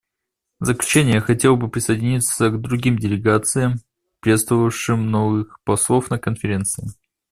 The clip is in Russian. В заключение я хотел бы присоединиться к другим делегациям, приветствовавшим новых послов на Конференции.